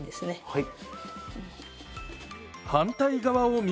はい。